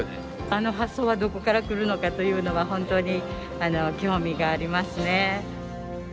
あの発想はどこから来るのかというのは本当に興味がありますね。